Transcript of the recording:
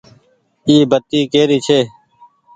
اي بتي ڪي ري ڇي۔